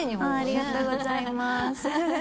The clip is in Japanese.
ありがとうございます。